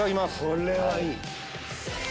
これはいい！